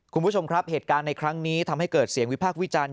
คุณผู้ชมครับเหตุการณ์ในครั้งนี้ทำให้เกิดเสียงวิพากษ์วิจารณ